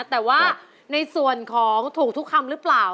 แต่ว่าในส่วนของถูกทุกคำหรือเปล่า